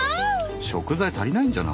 食材足りないんじゃない？